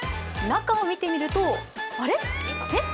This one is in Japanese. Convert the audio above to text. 中を見てみると、あれ？